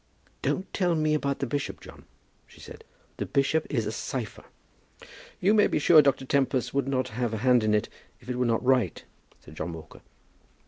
"Don't tell me about the bishop, John," she said; "the bishop is a cypher." "You may be sure Dr. Tempest would not have a hand in it if it were not right," said John Walker.